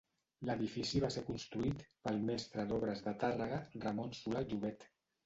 L'edifici va ser construït pel mestre d'obres de Tàrrega, Ramon Solà Llobet.